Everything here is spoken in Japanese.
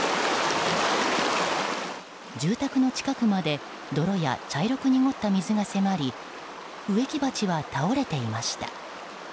住宅の近くまで泥や茶色く濁った水が迫り植木鉢は倒れていました。